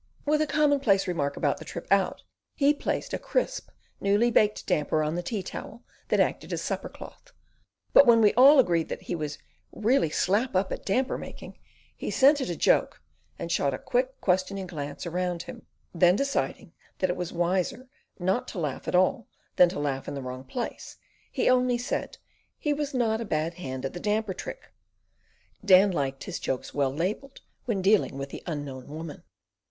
With a commonplace remark about the trip out, he placed a crisp, newly baked damper on the tea towel that acted as supper cloth; but when we all agreed that he was "real slap up at damper making," he scented a joke and shot a quick, questioning glance around; then deciding that it was wiser not to laugh at all than to laugh in the wrong place, he only said, he was "not a bad hand at the damper trick." Dan liked his jokes well labelled when dealing with the unknown Woman.